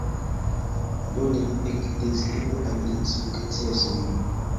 Do ni ekdeziru al li sukceson".